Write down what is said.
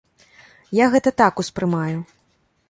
Я гэта так успрымаю.